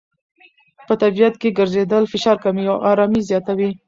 په طبیعت کې ګرځېدل فشار کموي او آرامۍ زیاتوي.